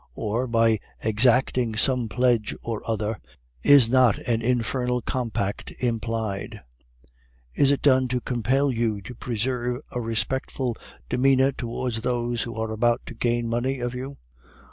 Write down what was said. Or by exacting some pledge or other, is not an infernal compact implied? Is it done to compel you to preserve a respectful demeanor towards those who are about to gain money of you?